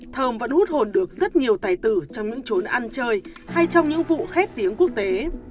thơm vẫn hút hồn được rất nhiều tài tử trong những trốn ăn chơi hay trong những vụ khét tiếng quốc tế